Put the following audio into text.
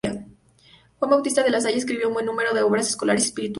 Juan Bautista de la Salle escribió un buen número de obras escolares y espirituales.